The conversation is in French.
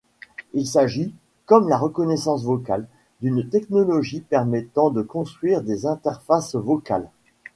Il s'agit, comme la reconnaissance vocale, d'une technologie permettant de construire des interfaces vocales.